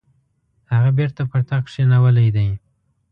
هغه بیرته پر تخت کښېنولی دی.